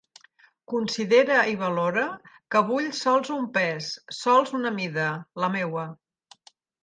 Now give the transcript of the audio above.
Considere i valore que vull sols un pes, sols una mida: la meua.